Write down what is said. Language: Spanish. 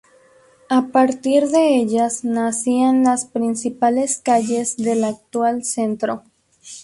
A partir de ellas, nacían las principales calles del actual Centro.